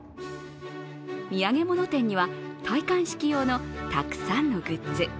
土産物店には戴冠式用のたくさんのグッズ。